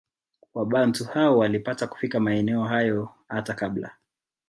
Wabantu hao walipata kufika maeneo hayo hata kabla